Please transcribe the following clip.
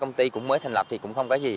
công ty cũng mới thành lập thì cũng không có gì